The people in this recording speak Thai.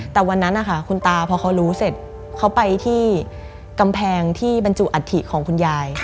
แต่วันนั้นนะคะคุณตาพอเขารู้เสร็จเขาไปที่กำแพงที่บรรจุอัฐิของคุณยาย